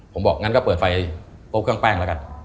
ผมบอกงั้นก็เปิดไฟโต๊ะเครื่องแป้งแล้วกัน